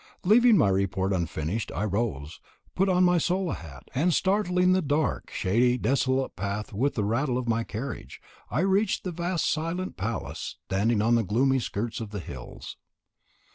Leaving my report unfinished I rose, put on my sola hat, and startling the dark, shady, desolate path with the rattle of my carriage, I reached the vast silent palace standing on the gloomy skirts of the hills.